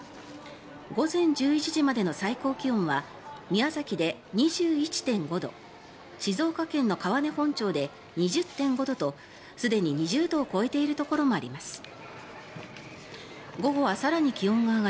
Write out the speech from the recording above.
午前１１時までの最高気温は宮崎で２１．５度静岡県の川根本町で２０．５度とすでに２０度を超えているところもあります。